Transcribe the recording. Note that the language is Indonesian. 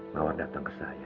mawar datang ke saya